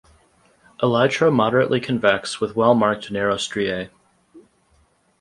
Elytra moderately convex with well marked narrow striae.